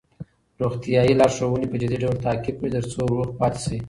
روغتیايي لارښوونې په جدي ډول تعقیب کړئ ترڅو روغ پاتې شئ.